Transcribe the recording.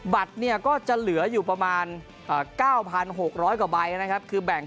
บัตรเนี่ยก็จะเหลืออยู่ประมาณ๙๖๐๐กว่าใบนะครับคือแบ่ง